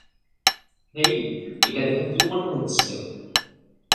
হেই, এটা দেখে কী মনে হচ্ছে?